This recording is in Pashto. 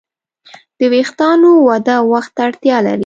د وېښتیانو وده وخت ته اړتیا لري.